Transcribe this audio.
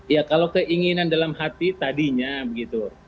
ya kalau keinginan dalam hati tadinya begitu